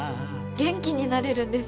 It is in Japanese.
元気になれるんです。